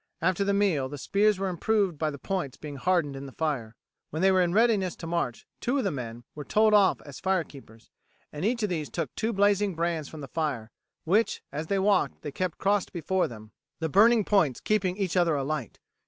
After the meal the spears were improved by the points being hardened in the fire. When they were in readiness to march two of the men were told off as fire keepers, and each of these took two blazing brands from the fire, which, as they walked, they kept crossed before them, the burning points keeping each other alight.